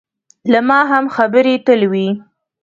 له ما هم خبرې تل وي.